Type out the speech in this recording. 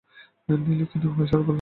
নীলু ক্ষীণ স্বরে বলল, স্যার।